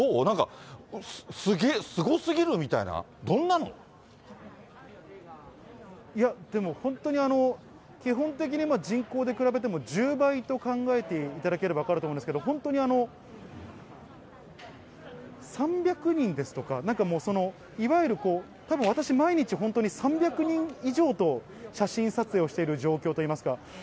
なんか、すごすぎるみたいな、どんなの？でも本当に基本的に人口で比べても１０倍と考えていただければ分かると思うんですけれども、本当に、３００人ですとか、なんかもう、いわゆるこう、たぶん私毎日３００人以上と写真撮影をしている状況といいますか。